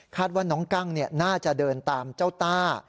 ว่าน้องกั้งน่าจะเดินตามเจ้าต้า